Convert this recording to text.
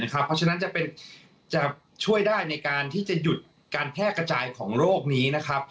เพราะฉะนั้นจะช่วยได้ในการที่จะหยุดการแพร่กระจายของโรคนี้นะครับ